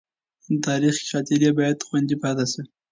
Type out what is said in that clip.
تاریخي خاطرې باید خوندي پاتې شي.